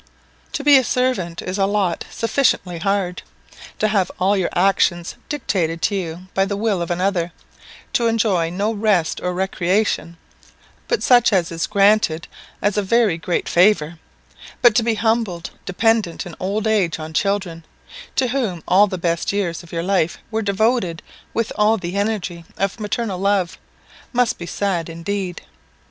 To be a servant is a lot sufficiently hard to have all your actions dictated to you by the will of another to enjoy no rest or recreation, but such as is granted as a very great favour; but to be a humble dependent in old age on children, to whom all the best years of your life were devoted with all the energy of maternal love, must be sad indeed.